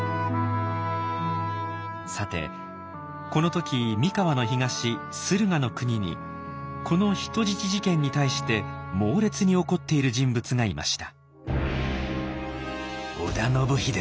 さてこの時三河の東駿河の国にこの人質事件に対して猛烈に怒っている人物がいました。